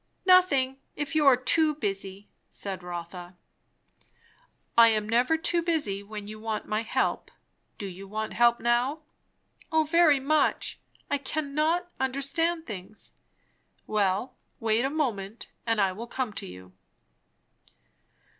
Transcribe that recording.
"Nothing if you are too busy," said Rotha. "I am never too busy when you want my help. Do you want help now?" "O very much! I can_not_ understand things." "Well, wait a moment, and I will come to you."